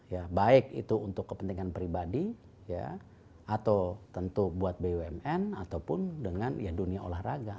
ya baik itu untuk kepentingan pribadi ya atau tentu buat bumn ataupun dengan ya dunia olahraga